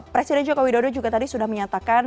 presiden jokowi dodo juga tadi sudah menyatakan